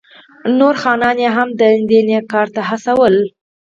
نور مالداره یې هم دې نېک کار ته هڅولي.